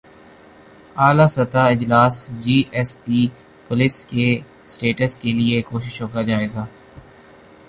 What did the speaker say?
اعلی سطحی اجلاس جی ایس پی پلس کے اسٹیٹس کیلئے کوششوں کا جائزہ